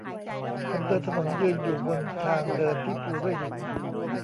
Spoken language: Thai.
คนเดินถนนยืนอยู่บนทางเดินที่ปูด้วยหิน